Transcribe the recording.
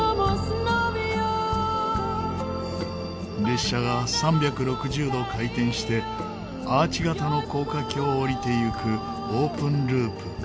列車が３６０度回転してアーチ形の高架橋を下りていくオープンループ。